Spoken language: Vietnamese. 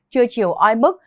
chưa chiều oi bức